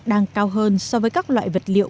đang cao hơn so với các loại vật liệu